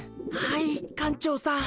はい館長さん。